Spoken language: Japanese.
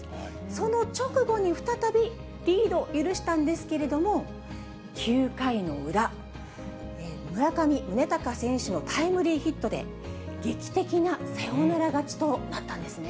その直後に再びリードを許したんですけれども、９回の裏、村上宗隆選手のタイムリーヒットで、劇的なサヨナラ勝ちとなったんですね。